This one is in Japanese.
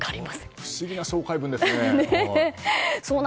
不思議な紹介文ですね。